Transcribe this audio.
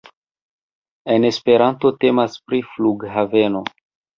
En Esperanto temas pri Flughaveno.